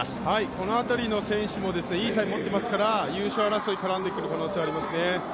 この辺りの選手もいいタイムを持っていますから、優勝争いに絡んでくる可能性がありますね。